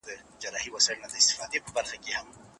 څېړونکی له مختلفو سرچینو څخه معلومات اخلي.